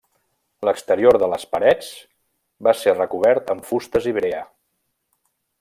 L'exterior de les parets va ser recobert amb fustes i brea.